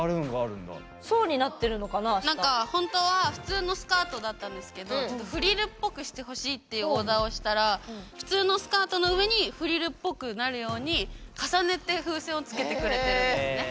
何かほんとは普通のスカートだったんですけどちょっとフリルっぽくしてほしいっていうオーダーをしたら普通のスカートの上にフリルっぽくなるように重ねて風船を付けてくれてるんですね。